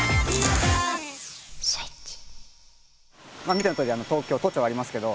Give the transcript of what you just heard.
見てのとおり東京都庁ありますけど。